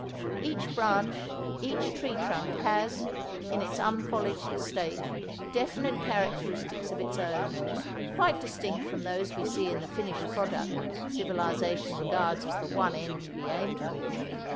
Each branch, each tree trunk, has, in its unpolished state, definite characteristics of its own, quite distinct from those we see in the finished product civilization regards as the one end to be aimed for.